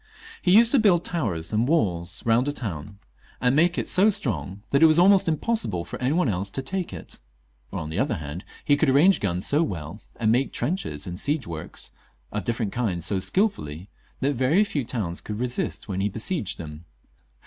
He used to build towers and walls round a town, and make it so strong that it was almost impossible for any one else to take it; or, on the other hand, he could arrange guns so well, and make trenches and siege works of different kinds so skilfully, that very few towns could resist when he be 352 LOUIS XIV. [CH. sieged them.